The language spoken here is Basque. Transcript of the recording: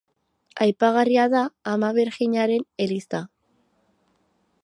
Aipagarria da Ama Birjinaren eliza.